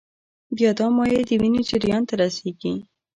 بیا دا مایع د وینې جریان ته رسېږي.